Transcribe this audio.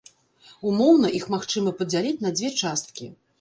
Умоўна іх магчыма падзяліць на дзве часткі.